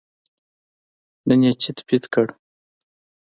نن یې چیت پیت کړ.